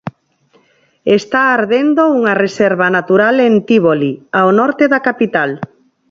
Está ardendo unha reserva natural en Tívoli, ao norte da capital.